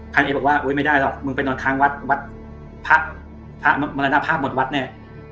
เอบอกว่าอุ๊ยไม่ได้หรอกมึงไปนอนค้างวัดวัดพระมรณภาพหมดวัดแน่